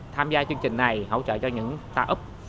tham gia chương trình này hỗ trợ cho những ta ấp